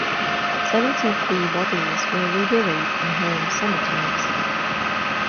Seventy-three bodies were reburied in home cemeteries.